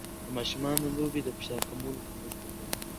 د ماشومانو لوبې د فشار کمولو کې مرسته کوي.